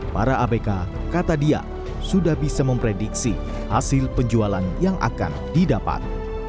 para abk kata dia sudah bisa memprediksi hasil penjualan yang akan didapat